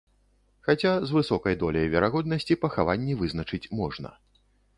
Хаця з высокай доляй верагоднасці пахаванні вызначыць можна.